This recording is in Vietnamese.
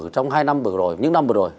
trong những năm vừa rồi